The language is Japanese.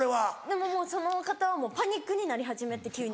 でももうその方はパニックになり始めて急に。